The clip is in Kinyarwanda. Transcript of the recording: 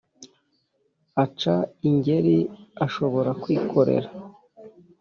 uca ingeri ashobora kwikorera,